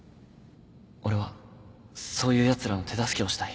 俺はそういうやつらの手助けをしたい